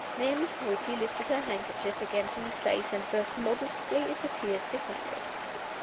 There Miss Hoighty lifted her handkerchief again to her face, and burst modestly into tears behind it.